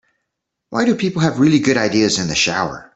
Why do people have really good ideas in the shower?